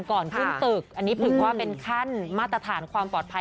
ก่อนขึ้นตึกอันนี้ถือว่าเป็นขั้นมาตรฐานความปลอดภัย